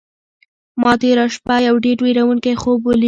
ما تېره شپه یو ډېر وېروونکی خوب ولید.